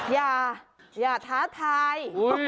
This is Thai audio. อย่าท้าทาย